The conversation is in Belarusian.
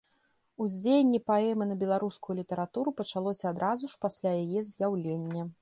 Уздзеянне паэмы на беларускую літаратуру пачалося адразу ж пасля яе з'яўлення.